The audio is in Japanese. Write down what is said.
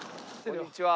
こんにちは。